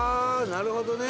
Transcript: なるほどね。